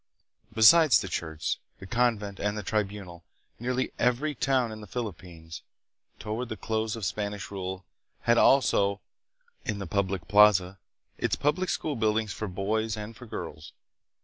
Besides the church, the convent, and the tribunal, nearly every town in the Philippines, toward the close of Spanish rule, had also, hi the public plaza, its public school buildings for boys and for girls.